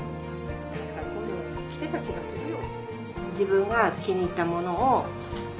たしかこういうの着てた気がするよ。